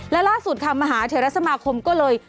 และล่าสุดค่ะมหาเทรสมาคมก็เลย